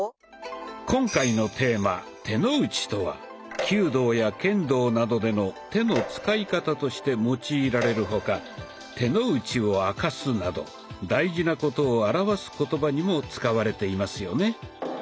今回のテーマ「手の内」とは弓道や剣道などでの手の使い方として用いられる他「手の内を明かす」など大事なことを表す言葉にも使われていますよね。